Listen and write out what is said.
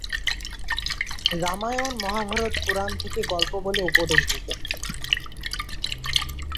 রামায়ণ, মহাভারত, পুরাণ থেকে গল্প বলে উপদেশ দিতেন।